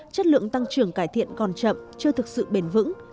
chất lượng tăng trưởng cải thiện còn chậm chưa thực sự bền vững